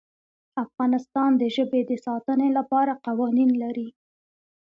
افغانستان د ژبې د ساتنې لپاره قوانین لري.